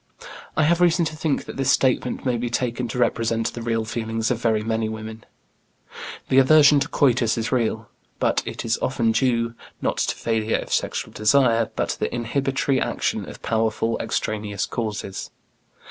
I have reason to think that this statement may be taken to represent the real feelings of very many women. The aversion to coitus is real, but it is often due, not to failure of sexual desire, but to the inhibitory action of powerful extraneous causes.